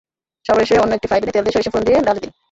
সবশেষে অন্য একটি ফ্রাইপ্যানে তেল দিয়ে সরিষা ফোড়ন দিয়ে ডালে দিন।